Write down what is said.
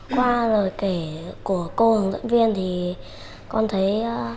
qua lời kể của cô hướng dẫn viên thì con thấy